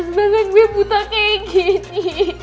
banget gue buta kayak gini